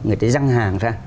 người ta răng hàng ra